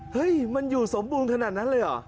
เฮ้ยมันอยู่สมบูรณ์ขนาดนั้นเลยเหรอ